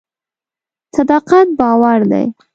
صداقت باور دی.